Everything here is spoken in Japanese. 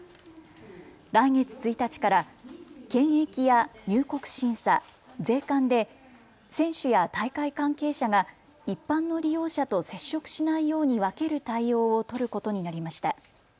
来月１日から検疫や入国審査、税関で選手や大会関係者が一般の利用者と接触しないように分ける対応を取ることになりました。